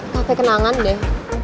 kafe kenangan deh